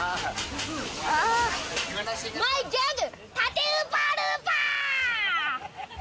マイギャグ！